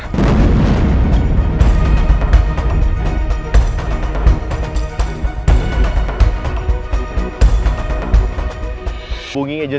gue harus gimana sekarang